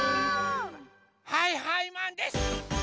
はいはいマンです！